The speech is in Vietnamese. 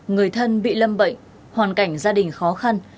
người thân bị lâm bệnh hoàn cảnh gia đình khó khăn